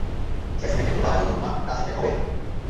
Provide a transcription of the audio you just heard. JS প্যাকেটগুলা বাঁধার জন্য তোমার কাছে টেপ হবে?